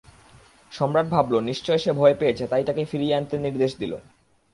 সম্রাট ভাবল, নিশ্চয় সে ভয় পেয়েছে তাই তাকে ফিরিয়ে আনতে নির্দেশ দিল।